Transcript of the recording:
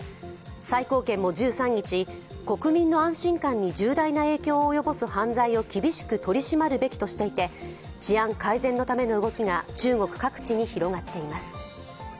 最高検も１３日、国民の安心感に重大な影響を及ぼす犯罪を厳しく取り締まるべきとしていて治安改善のための動きが中国各地に広がっています。